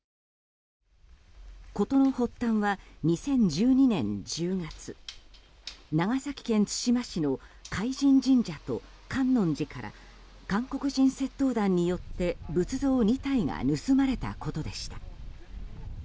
事の発端は２０１２年１０月長崎県対馬市の海神神社と観音寺から韓国人窃盗団によって仏像２体が盗まれたことでした。